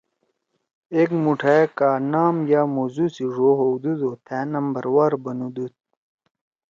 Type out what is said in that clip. ایک مُوٹھائے کا نام یا موضوع سی ڙو ہؤدُود او تھأ نمبروار بنُودُود۔